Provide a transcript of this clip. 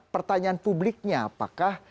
pertanyaan publiknya apakah